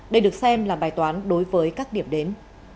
đây được xem là bài toán đối với các điểm đến